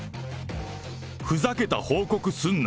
ふざけた報告すんな。